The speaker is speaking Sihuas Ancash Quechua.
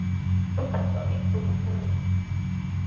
Puntrawpami tuku puñun.